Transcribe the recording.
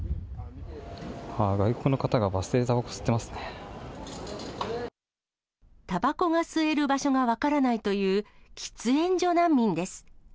外国の方がバス停でたばこ、たばこが吸える場所が分からないという、喫煙所難民です。